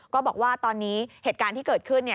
ก็บอกว่าตอนนี้เหตุการณ์ที่เกิดขึ้น